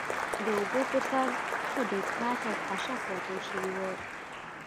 د اوبو پر سر ښه ډېر خس او خاشاک راټول شوي و.